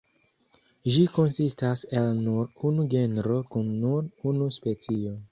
Ĝi konsistas el nur unu genro kun nur unu specio.